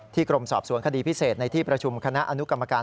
กรมสอบสวนคดีพิเศษในที่ประชุมคณะอนุกรรมการ